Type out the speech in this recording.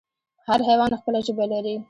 هر حیوان خپله ژبه لري